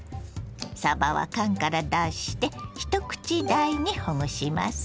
さばは缶から出して１口大にほぐします。